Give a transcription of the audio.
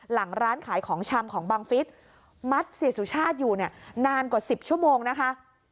หลังร้านขายของชำของบังฟิศมัดเสียสุชาติอยู่เนี่ยนานกว่า๑๐ชั่วโมงนะคะ